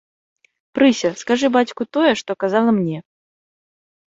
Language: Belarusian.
Прыся, скажы бацьку тое, што казала мне.